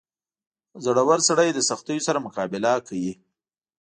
• زړور سړی د سختیو سره مقابله کوي.